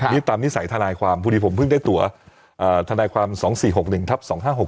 นี่ตามนิสัยทนายความพอดีผมเพิ่งได้ตัวทนายความ๒๔๖๑ทับ๒๕๖๖